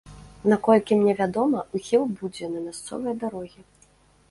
Наколькі мне вядома, ухіл будзе на мясцовыя дарогі.